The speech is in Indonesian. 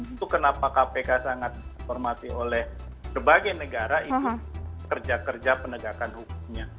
itu kenapa kpk sangat dihormati oleh berbagai negara ikut kerja kerja penegakan hukumnya